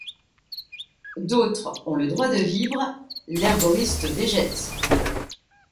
D’autres ont le droit de vivre, l’herboriste végète !